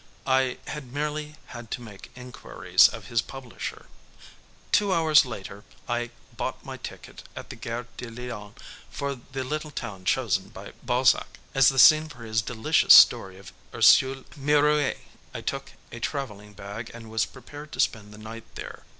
I had merely had to make inquiries of his publisher. Two hours later I bought my ticket at the Gare de Lyon for the little town chosen by Balzac as the scene for his delicious story of Ursule Mirouet. I took a traveling bag and was prepared to spend the night there.